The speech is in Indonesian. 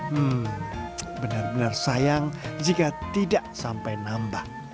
hmm benar benar sayang jika tidak sampai nambah